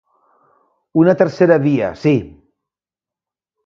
Una tercera via, sí.